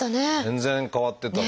全然変わってた。